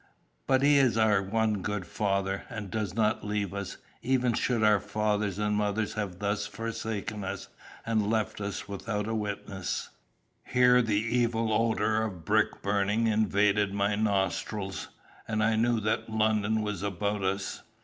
But he is our one good Father, and does not leave us, even should our fathers and mothers have thus forsaken us, and left him without a witness. Here the evil odour of brick burning invaded my nostrils, and I knew that London was about us.